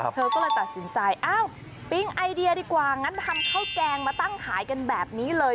เธอก็เลยตัดสินใจอ้าวปิ๊งไอเดียดีกว่างั้นทำข้าวแกงมาตั้งขายกันแบบนี้เลย